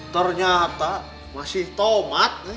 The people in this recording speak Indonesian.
ternyata masih tomat